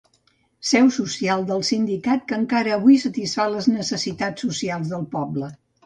Seu social del sindicat que encara avui satisfà les necessitats socials del poble.